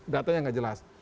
datanya gak jelas